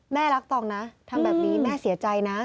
แม่รักตองนะทำแบบนี้แม่เสียใจนะ